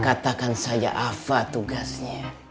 katakan saja apa tugasnya